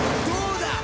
どうだ！